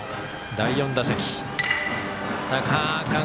第４打席。